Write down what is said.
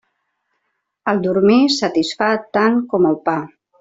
El dormir satisfà tant com el pa.